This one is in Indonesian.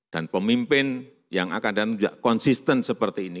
dan pemimpin yang akan datang juga konsisten seperti ini